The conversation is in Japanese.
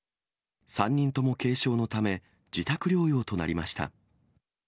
３人とも軽症のため、自宅療養となりました。